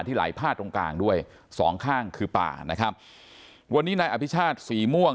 ที่ไหลผ้าดด้วยสองข้างคือป่านะครับวันนี้ในอภิชาสสี่ม่วง